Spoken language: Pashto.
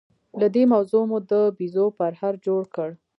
له دې موضوع مو د بيزو پرهار جوړ کړ.